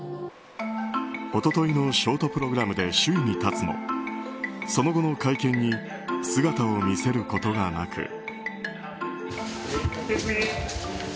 一昨日のショートプログラムで首位に立つもその後の会見に姿を見せることがなく。